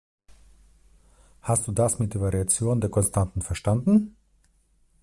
Hast du das mit der Variation der Konstanten verstanden?